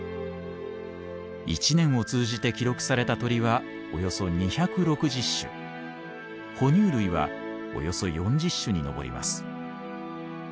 一年を通じて記録された鳥はおよそ２６０種哺乳類はおよそ４０種にのぼります。